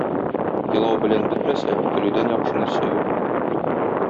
Елау белән бетмәсә, көлүдән яхшы нәрсә юк.